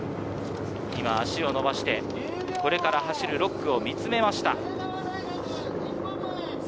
今、足を伸ばして、これから走る６区を見つめました。